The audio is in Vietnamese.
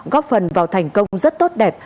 góp phần vào thành công rất tốt đẹp